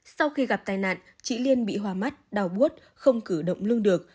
sau khi gặp tai nạn chị liên bị hoa mắt đau bút không cử động lưng được